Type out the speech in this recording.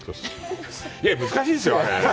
いやぁ、難しいですよ、あれ。